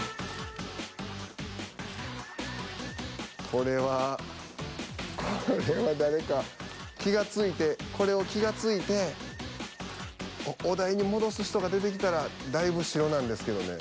これはこれは誰か気が付いてこれを気が付いてお題に戻す人が出てきたらだいぶシロなんですけどね。